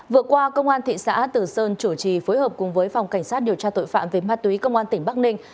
vừa qua công an thị xã từ sơn chủ trì phối hợp cùng với phòng cảnh sát điều tra tội phạm về ma túy công an tỉnh bắc ninh